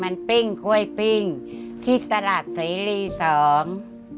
มันปิ้งกล้วยปิ้งที่สลัดเสรีสอง